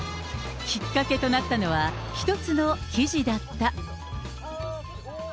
きっかけとなったのは、一つの記事だった。